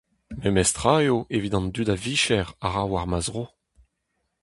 Memes tra eo evit an dud a vicher a ra war ma zro.